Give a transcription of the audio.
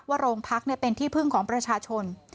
ว่าโรงพักษณ์เนี่ยเป็นที่พึ่งของประชาชน